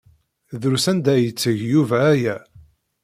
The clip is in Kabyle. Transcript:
Drus anda ay yetteg Yuba aya.